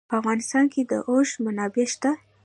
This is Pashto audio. په افغانستان کې د اوښ منابع شته.